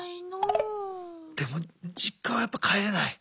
でも実家はやっぱ帰れない？